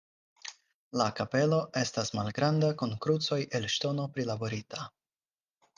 La kapelo estas malgranda kun krucoj el ŝtono prilaborita.